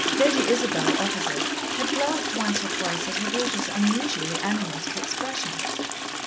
Lady Isabel, opposite, had glanced once or twice at her daughter's unusually animated expression.